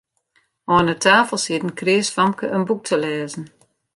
Oan 'e tafel siet in kreas famke in boek te lêzen.